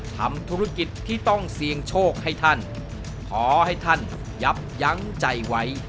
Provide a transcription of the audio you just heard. ทำธุรกิจที่ต้องเสี่ยงโชคให้ท่านขอให้ท่านยับยั้งใจไว้